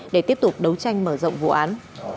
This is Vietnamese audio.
để tiếp tục đấu tranh mở rộng vụ án